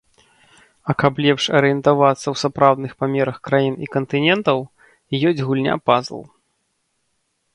А каб лепш арыентавацца ў сапраўдных памерах краін і кантынентаў, ёсць гульня-пазл.